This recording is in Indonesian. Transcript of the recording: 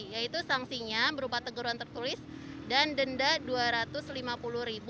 yaitu sanksinya berupa teguran tertulis dan denda rp dua ratus lima puluh